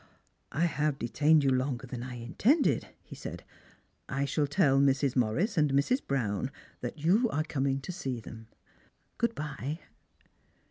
" I have detained you longer than I intended," he said. " I shall tell Mrs. Morris and Mrs. Brown that you are coming td see them. Good bye."